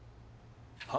は？